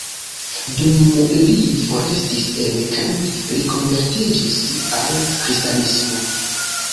Dum li forestis en Kent li konvertiĝis al kristanismo.